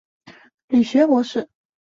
理学博士。